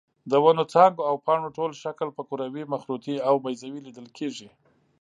د ونو څانګو او پاڼو ټول شکل په کروي، مخروطي او بیضوي لیدل کېږي.